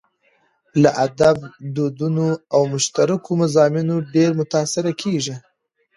له ادبي دودونو او مشترکو مضامينو ډېر متاثره کېږو.